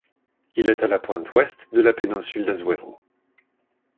Il est à la pointe ouest de la péninsule d'Azuero.